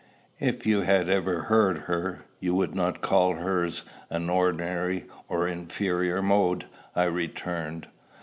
"If you had ever heard her, you would not call hers an ordinary or inferior mode," I returned.